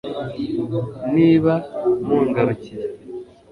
niba mungarukiye